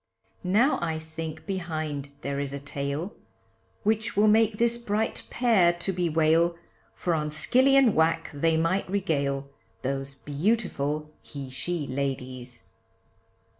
Now I think behind there is a tale, Which will make this bright pair to bewail, For on skilly and whack they might regale, Those beautiful he she ladies.